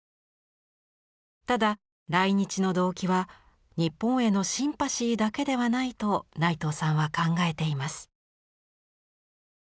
ただ来日の動機は日本へのシンパシーだけではないと内藤さんは考えています。